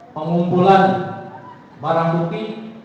pengumpulan barang bukti